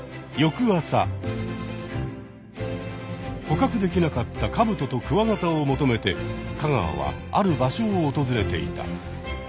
捕獲できなかったカブトとクワガタを求めて香川はある場所をおとずれていた。